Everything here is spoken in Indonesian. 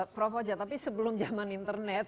prof hoja tapi sebelum jaman internet